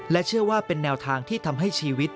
เชื่อว่าเป็นแนวทางที่ทำให้ชีวิต